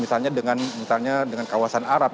misalnya dengan kawasan arab